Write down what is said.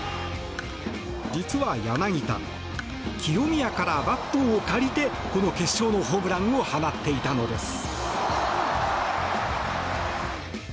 実は柳田清宮からバットを借りてこの決勝のホームランを放っていたのです。